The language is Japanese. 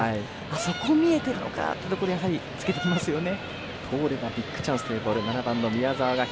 そこも見えてるのかっていうところにつけてきますよね。